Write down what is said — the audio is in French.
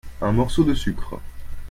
un morceau de sucre.